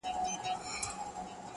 صبر د سختیو ملګری دی.